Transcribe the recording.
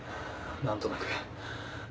何となく。